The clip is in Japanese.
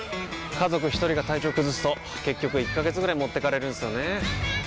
家族一人が体調崩すと結局１ヶ月ぐらい持ってかれるんすよねー。